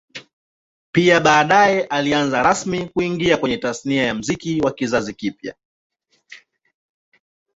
Pia baadae alianza rasmi kuingia kwenye Tasnia ya Muziki wa kizazi kipya